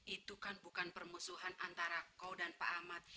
itu kan bukan permusuhan antara kau dan pak ahmad